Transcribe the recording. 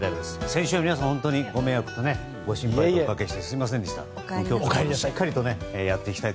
先週は皆さん本当にご迷惑とご心配をおかけしてすみませんでした。